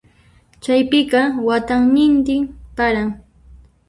Chaypiqa watantinmi paran.